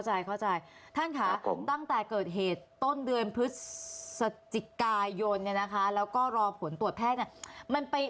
เข้าใจท่านค่ะตั้งแต่เกิดเหตุต้นเดือนพฤศจิกายนเนี่ยนะคะแล้วก็รอผลตรวจแพทย์เนี่ยมันไป